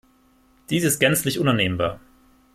Dies ist gänzlich unannehmbar.